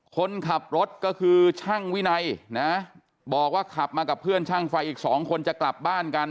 คนขับรถก็คือช่างวินัยนะบอกว่าขับมากับเพื่อนช่างไฟอีกสองคนจะกลับบ้านกัน